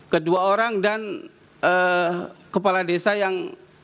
kedua orang dan kepala desa yang